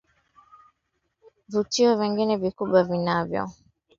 Vivutio vingine vikubwa vinavyo na ada za